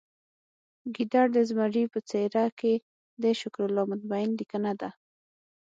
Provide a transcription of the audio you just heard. ګیدړ د زمري په څیره کې د شکرالله مطمین لیکنه ده